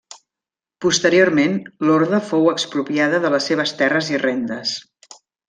Posteriorment l'Orde fou expropiada de les seves terres i rendes.